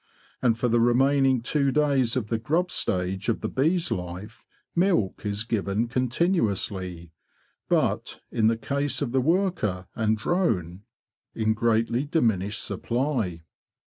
And for the remaining two days of the grub stage of the bee's life milk is given continuously, but, in the case of the worker and drone, in greatly diminished supply.